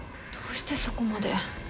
どうしてそこまで。